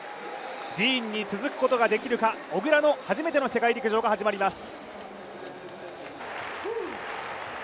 ディーンに続くことができるか、小椋の初めての世界陸上が始まります。